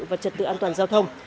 và trật tự an toàn giao thông